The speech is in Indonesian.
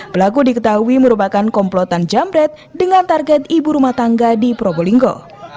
pelaku diketahui merupakan komplotan jambret dengan target ibu rumah tangga di probolinggo